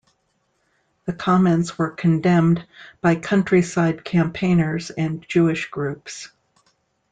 The comments were condemned by countryside campaigners and Jewish groups.